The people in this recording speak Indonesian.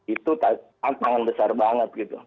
itu tantangan besar banget gitu